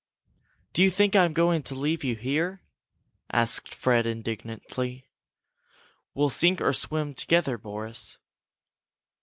"Do you think I'm going to leave you here?" asked Fred, indignantly. "We'll sink or swim together, Boris!"